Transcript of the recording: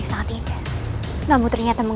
tera akan mengerikan pembicaraan